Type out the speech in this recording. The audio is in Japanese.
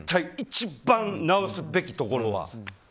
一番直すべきところは。